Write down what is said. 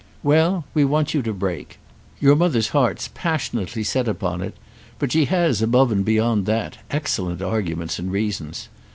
Well, we want you to break. Your mother's heart's passionately set upon it, but she has above and beyond that excellent arguments and reasons.